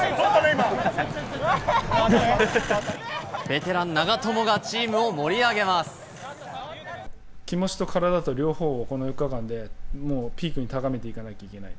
ベテラン、長友がチームを盛気持ちと体と両方をこの４日間で、もうピークに高めていかなきゃいけない。